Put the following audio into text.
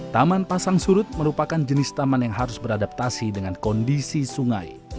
taman pasang surut merupakan jenis taman yang harus beradaptasi dengan kondisi sungai